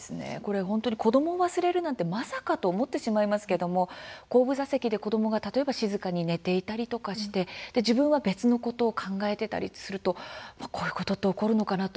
子どもを忘れるなんてまさかと思ってしまいますが後部座席で例えば子どもが静かに眠っていたりして自分は別のことを考えていたりするとこういうことが起こるのかなと。